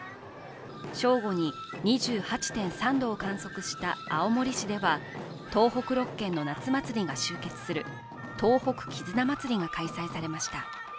正午に２８．３度を観測した青森市では東北６県の夏祭りが集結する東北絆まつりが開催されました。